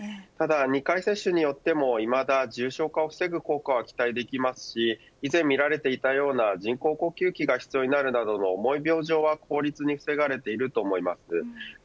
ただ２回接種によってもいまだ重症化を防ぐ効果は期待できますし以前見られていたような人工呼吸器が必要になるなどの重い病状は高率に防がれていると思います。